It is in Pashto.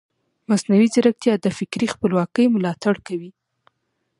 مصنوعي ځیرکتیا د فکري خپلواکۍ ملاتړ کوي.